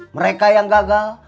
mereka yang gagal